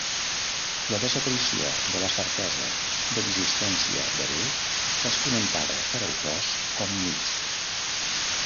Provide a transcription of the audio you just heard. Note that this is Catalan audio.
La desaparició de la certesa d'existència de déu és comentada per autors com Nietzsche.